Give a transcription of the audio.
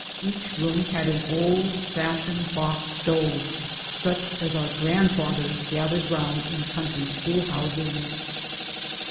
Each room had an old fashioned box stove, such as our grandfathers gathered round in country school houses.